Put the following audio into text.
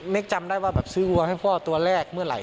เน็คจำได้ว่าสืออัวระวังให้พ่อตัวแรกเมื่อไหร่